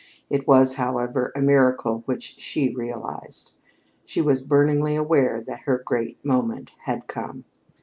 It was, however, a miracle which she realized. She was burningly aware that her great moment had come.